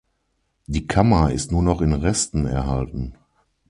Die Kammer ist nur noch in Resten erhalten.